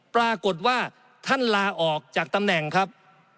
ปรากฏว่าท่านลาออกจากตำแหน่งครับ